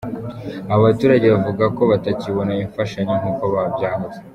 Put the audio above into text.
Aba baturage bavuga ko batakibona imfashanyo nk’uko byahoze.